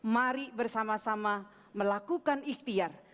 mari bersama sama melakukan ikhtiar